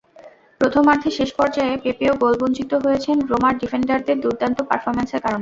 প্রথমার্ধের শেষ পর্যায়ে পেপেও গোলবঞ্চিত হয়েছেন রোমার ডিফেন্ডারদের দুর্দান্ত পারফরম্যান্সের কারণে।